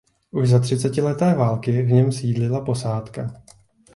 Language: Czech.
Už za třicetileté války v něm sídlila posádka.